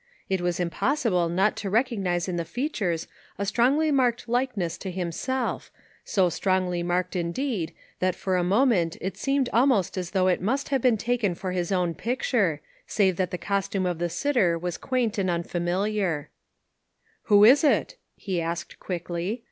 It was impossible not to recognize in the features a strongly marked likeness to himself, so strongly marked, indeed, that for a moment it seemed almost as though it must have been taken for his own pict ure, save that the costume of the sitter was quaint and unfamiliar. 419 42O ONE COMMONPLACE DAY. "Who is it?" he asked, quickly.